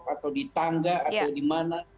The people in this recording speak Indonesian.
atau di tangga atau di mana